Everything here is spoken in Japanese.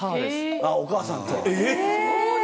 あっお母さんと。